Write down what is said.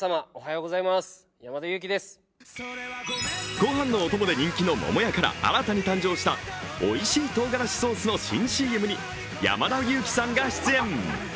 ごはんのお供で人気の桃屋から新たに登場したおいしい唐がらしソースの新ＣＭに山田裕貴さんが出演。